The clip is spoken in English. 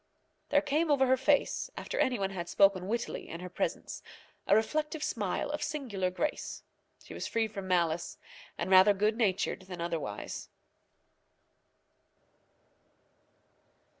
There came over her face, after any one had spoken wittily in her presence, a reflective smile of singular grace. She was free from malice, and rather good natured than otherwise.